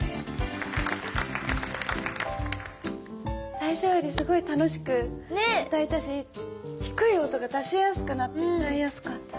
最初よりすごい楽しく歌えたし低い音が出しやすくなって歌いやすかったです。